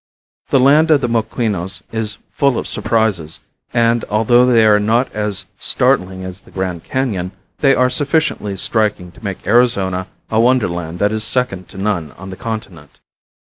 The land of the Moquinos is full of surprises and, although they are not all as startling as the Grand Canon, they are sufficiently striking to make Arizona a wonderland that is second to none on the continent.